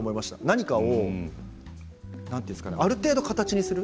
何かをある程度、形にする。